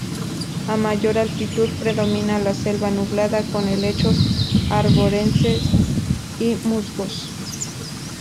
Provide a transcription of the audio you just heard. A mayor altitud predomina la selva nublada, con helechos arborescentes y musgos.